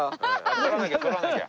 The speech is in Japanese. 取らなきゃ取らなきゃ。